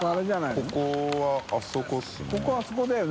ここあそこだよな。